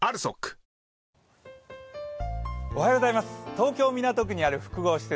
東京・港区にある複合施設